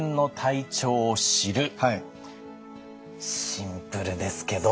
シンプルですけど。